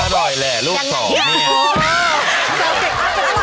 อร่อยแหละลูกสองเนี่ย